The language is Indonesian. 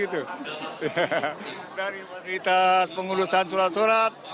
dari fasilitas pengurusan surat surat